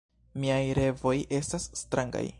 Miaj revoj estas strangaj.